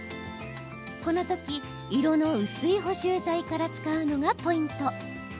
このとき、色の薄い補修材から使うのがポイント。